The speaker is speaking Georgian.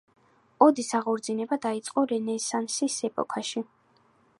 ოდის აღორძინება დაიწყო რენესანსის ეპოქაში.